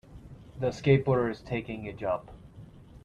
The skateboarder is taking a jump.